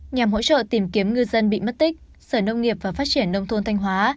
nhằm hỗ trợ tìm kiếm ngư dân bị mất tích sở nông nghiệp và phát triển nông thôn thanh hóa